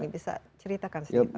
bisa ceritakan sedikit pak